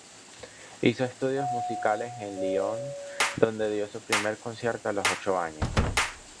Hizo estudios musicales en Lyon, donde dio su primer concierto a los ocho años.